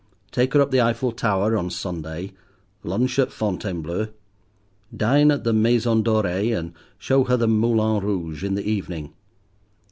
Take her up the Eiffel Tower on Sunday. Lunch at Fontainebleau. Dine at the Maison Doree, and show her the Moulin Rouge in the evening.